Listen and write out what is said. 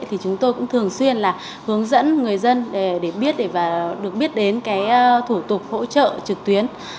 thì chúng tôi cũng thường xuyên là hướng dẫn người dân để biết và được biết đến thủ tục hỗ trợ trực tuyến